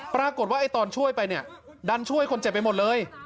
ปรากฏว่าตอนช่วยไปเนี่ยดันช่วยคนเจ็บไปหมดเลย